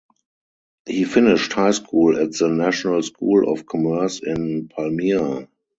He finished high school at the National School of Commerce in Palmira.